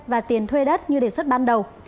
và tiền thuê đất như đề xuất ban đầu